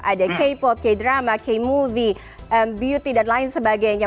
ada k pop k drama k movie beauty dan lain sebagainya